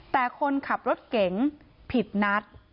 แต่คนขับรถเก๋งผิดนัด